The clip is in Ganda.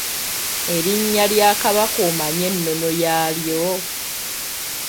Erinnya lya Kabaka omanyi ennono yaalyo?